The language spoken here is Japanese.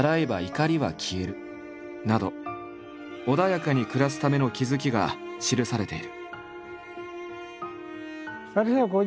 穏やかに暮らすための気付きが記されている。